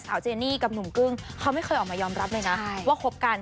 เจนี่กับหนุ่มกึ้งเขาไม่เคยออกมายอมรับเลยนะว่าคบกัน